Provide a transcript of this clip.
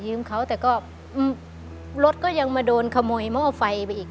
เขาแต่ก็รถก็ยังมาโดนขโมยหม้อไฟไปอีก